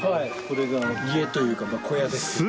これが家というかまあ小屋です。